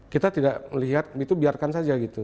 kita tidak melihat itu biarkan saja gitu